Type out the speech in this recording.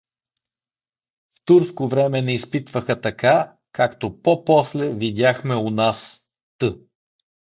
В турско време не изпитваха така, както по-после видяхме у нас, т.